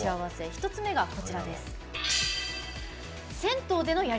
１つ目がこちらです。